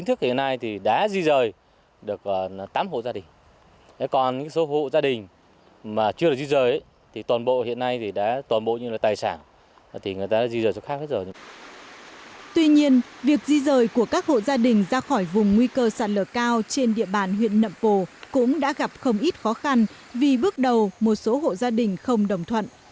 tuy nhiên việc di rời của các hộ gia đình ra khỏi vùng nguy cơ sạt lở cao trên địa bàn huyện nậm pồ cũng đã gặp không ít khó khăn vì bước đầu một số hộ gia đình không đồng thuận